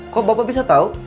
kok bapak bisa tahu